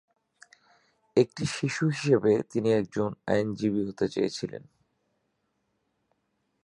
একটি শিশু হিসাবে তিনি একজন আইনজীবী হতে চেয়েছিলেন।